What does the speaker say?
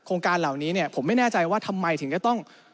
การเหล่านี้เนี่ยผมไม่แน่ใจว่าทำไมถึงจะต้อง